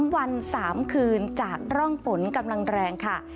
๓วัน๓คืนจากร่องฝนกำลังแรงค่ะ